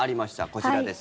こちらです。